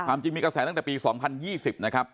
จริงมีกระแสตั้งแต่ปี๒๐๒๐นะครับ